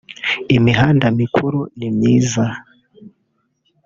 Imihanda mikuru ni myiza